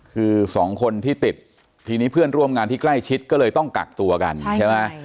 คือสองคนที่ติดทีนี้เพื่อนร่วมงานที่ใกล้ชิดก็เลยต้องกักตัวกันใช่ไหม